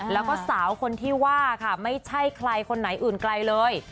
แล้วก็สาวคนที่ว่าค่ะไม่ใช่ใครคนไหนอื่นไกลเลย